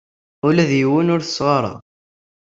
Ula d yiwen ur as-ɣɣareɣ.